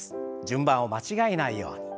順番を間違えないように。